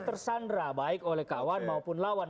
tersandra baik oleh kawan maupun lawan